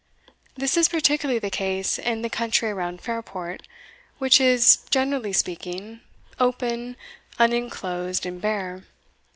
This is particularly the case in the country around Fairport, which is, generally speaking, open, unenclosed, and bare.